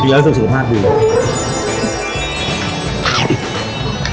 ทีแล้วสุดสุดมากดีหรือ